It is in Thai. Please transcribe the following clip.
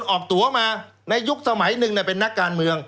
ออกตัวมาในยุคสมัยหนึ่งเป็นนักการเมือง